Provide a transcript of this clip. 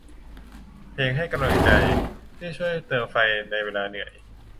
เพลงให้กำลังใจ ที่ช่วยเติมไฟในเวลาเหนื่อย